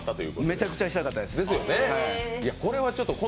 めちゃくちゃしたかったです。